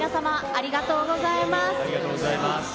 ありがとうございます。